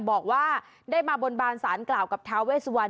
บอกว่าได้มาบนบานสารเกลากับทาเวสสุวรรณ์